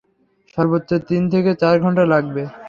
সর্বোচ্চ তিন থেকে চার ঘন্টা লাগবে।